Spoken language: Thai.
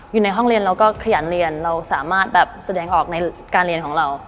อยู่ในห้องเรียนเราก็ขยันเรียนเราสามารถแบบแสดงออกในการเรียนของเรา